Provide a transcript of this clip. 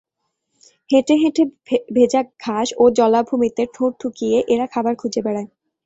হেঁটে হেঁটে ভেজা ঘাস ও জলাভূমিতে ঠোঁট ঢুকিয়ে এরা খাবার খুঁজে বেড়ায়।